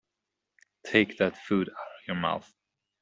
Take that food out of your mouth.